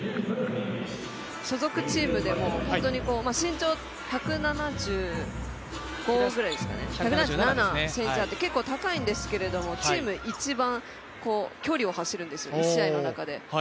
所属チームでも身長１７７ｃｍあって結構高いんですけれども、チーム一番距離を走るんですよ、１試合の中で。